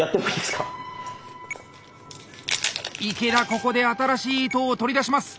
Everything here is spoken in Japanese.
ここで新しい糸を取り出します。